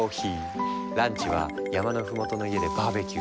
ランチは山の麓の家でバーベキュー。